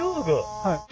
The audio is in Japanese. はい。